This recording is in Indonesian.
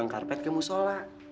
dengan karpet ke musyola